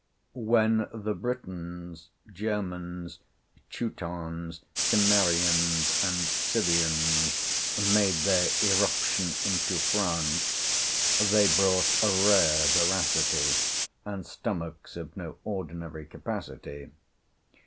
When the Britons, Germans, Teutons, Cimmerians, and Scythians made their irruption into France, they brought a rare voracity, and stomachs of no ordinary capacity.